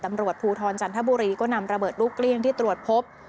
ตำรวจภูทรจันทบุรีก็นำระเบิดลูกเกลี้ยงที่ตรวจพบ